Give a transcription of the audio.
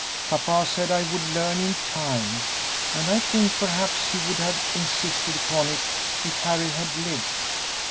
Papa said I would learn in time, and I think perhaps he would have insisted upon it if Harry had lived.